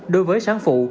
đối với sáng phủ